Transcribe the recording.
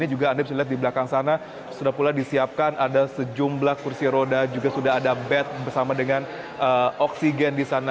ini juga anda bisa lihat di belakang sana sudah pula disiapkan ada sejumlah kursi roda juga sudah ada bed bersama dengan oksigen di sana